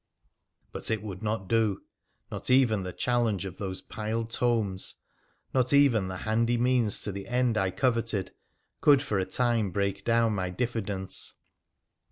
But it would not do ; not even the challenge of those piled tomes, not even the handy means to the end I coveted, could for a time break down my diffidence.